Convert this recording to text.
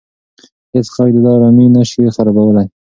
هیڅ غږ د ده ارامي نه شي خرابولی.